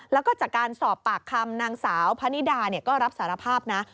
แล้วก็จากการสอบปากคำนางสาวพะนิดาก็รับสารภาพนะ